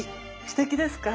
すてきですか？